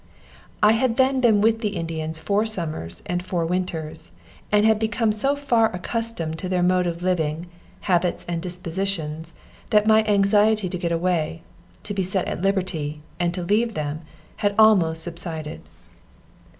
I had then been with the Indians four summers and four winters, and had become so far accustomed to their mode of living, habits and dispositions, that my anxiety to get away, to be set at liberty, and leave them, had almost subsided.